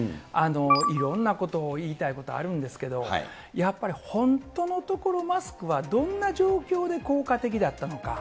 いろんなことを言いたいこと、あるんですけど、やっぱり本当のところ、マスクはどんな状況で効果的だったのか。